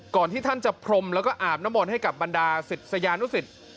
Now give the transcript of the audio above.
ที่ท่านจะพรมแล้วก็อาบน้ำมนต์ให้กับบรรดาศิษยานุสิต